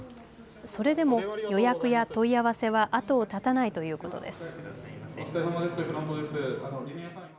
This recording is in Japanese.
それでも予約や問い合わせは後を絶たないということです。